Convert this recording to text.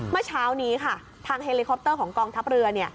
เมื่อเช้านี้ค่ะทางเฮลิคอปเตอร์ของกองทัพเรือ